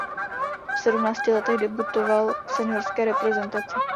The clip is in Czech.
V sedmnácti letech debutoval v seniorské reprezentaci.